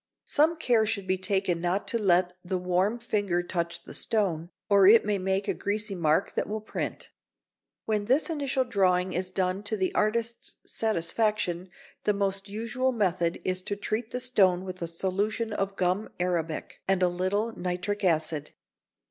Some care should be taken not to let the warm finger touch the stone, or it may make a greasy mark that will print. When this initial drawing is done to the artist's satisfaction, the most usual method is to treat the stone with a solution of gum arabic and a little nitric acid.